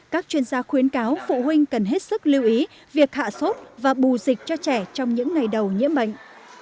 các chuyên gia khuyến cáo phụ huynh cần hết sức lưu ý việc hạ sốt và bù dịch cho trẻ trong những ngày đầu nhiễm bệnh